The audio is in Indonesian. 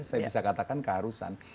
saya bisa katakan keharusan